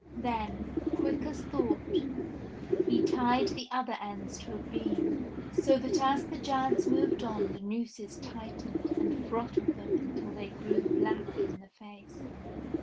Then, quick as thought, 82 ENGLISH FAIRY TALES he tied the other ends to a beam, so that as the giants moved on the nooses tightened and throttled them until they grew black in the face.